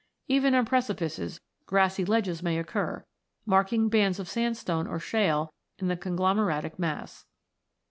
Even on precipices, grassy ledges may occur, marking bands of sandstone or shale in the conglomeratic mass.